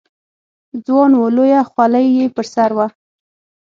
ځوان و، لویه خولۍ یې پر سر وه.